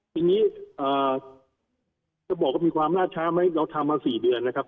ทีนี้จะบอกว่ามีความล่าช้าไหมเราทำมา๔เดือนนะครับ